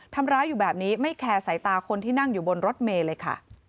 ทำร้ายอยู่แบบนี้ไม่แคร์สายตาคนที่นั่งอยู่บนรถเมย์เลยค่ะ